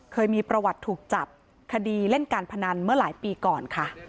เคยมีประวัติถูกจับคดีเล่นการพนันเมื่อหลายปีก่อนค่ะ